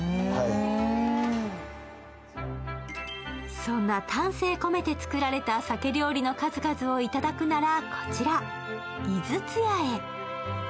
そんな丹精込めて作られた鮭料理の数々を頂くならこちら、井筒屋へ。